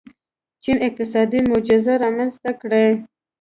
چین اقتصادي معجزه رامنځته کړې.